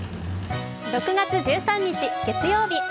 ６月１３日、月曜日。